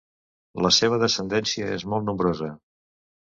La seva descendència és molt nombrosa.